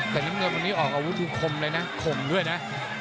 แต่น้ำเงินวันนี้ออกอาวุธดูคมเลยนะข่มด้วยนะ